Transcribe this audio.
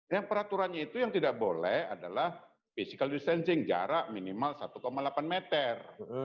yang peraturannya itu yang tidak boleh adalah physical distancing jarak minimal satu delapan meter